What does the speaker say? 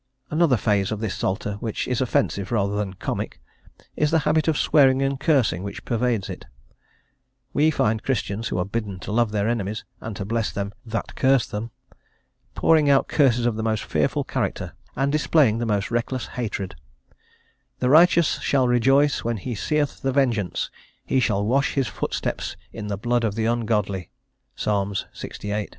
Another phase of this Psalter, which is offensive rather than comic, is the habit of swearing and cursing which pervades it; we find Christians, who are bidden to love their enemies, and to bless them that curse them, pouring out curses of the most fearful character, and displaying the most reckless hatred: "The righteous shall rejoice when he seeth the vengeance; he shall wash his footsteps in the blood of the ungodly" (Ps. lviii.).